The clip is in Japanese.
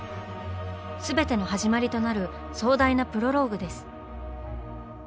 すべての始まりとなる壮大なプロローグです。